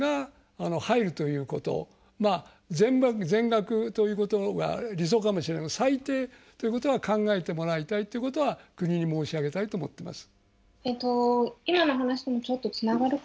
全額ということが理想かもしれませんが最低ということは考えてもらいたいということは国に申し上げたいと思っています。